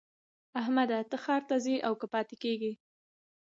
احمده! ته ښار ته ځې او که پاته کېږې؟